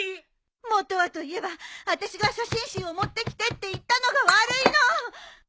本はといえばあたしが写真集を持ってきてって言ったのが悪いの！